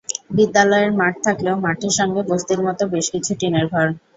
বিদ্যালয়ের মাঠ থাকলেও মাঠের সঙ্গে বস্তির মতো বেশ কিছু টিনের ঘর।